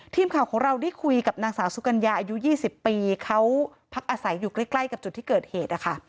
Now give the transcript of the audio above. ทีมข่าวของเราได้คุยกับนางสาวสุกัญญาอายุ๒๐ปีเขาพักอาศัยอยู่ใกล้กับจุดที่เกิดเหตุนะคะ